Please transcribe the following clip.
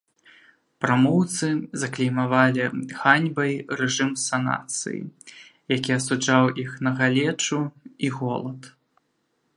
Прамоўцы заклеймавалі ганьбай рэжым санацыі, які асуджаў іх на галечу і голад.